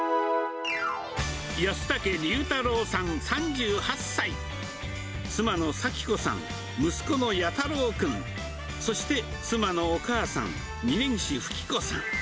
安武竜太郎さん３８歳、妻の早紀子さん、息子の八太郎君、そして、妻のお母さん、みねぎしふきこさん。